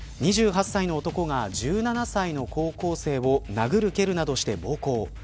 ２８歳の男が１７歳の高校生を殴る、蹴るなどして暴行。